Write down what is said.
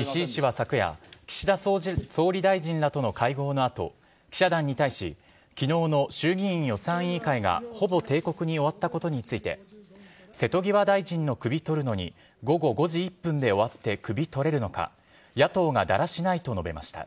石井氏は昨夜、岸田総理大臣らとの会合のあと、記者団に対し、きのうの衆議院予算委員会がほぼ定刻に終わったことについて瀬戸際大臣の首とるのに午後５時１分で終わって首とれるのか、野党がだらしないと述べました。